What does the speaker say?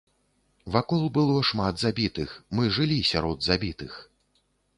Вакол было шмат забітых, мы жылі сярод забітых.